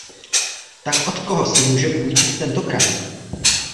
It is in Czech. Tak od koho si může půjčit tentokrát?